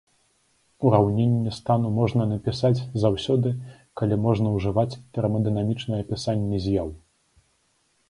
Ураўненне стану можна напісаць заўсёды, калі можна ўжываць тэрмадынамічнае апісанне з'яў.